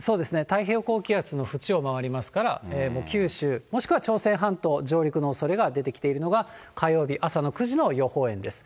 太平洋高気圧の縁を回りますから、九州、もしくは朝鮮半島上陸のおそれが出てきているのが、火曜日朝の９時の予報円です。